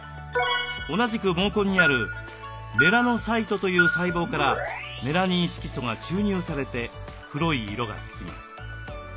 同じく毛根にあるメラノサイトという細胞からメラニン色素が注入されて黒い色がつきます。